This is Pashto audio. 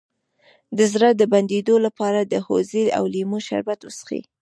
د زړه د بندیدو لپاره د هوږې او لیمو شربت وڅښئ